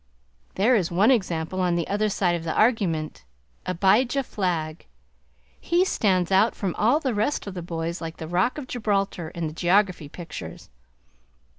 There is one example on the other side of the argument, Abijah Flagg. He stands out from all the rest of the boys like the Rock of Gibraltar in the geography pictures.